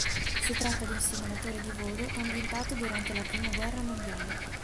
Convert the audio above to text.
Si tratta di un simulatore di volo ambientato durante la prima guerra mondiale.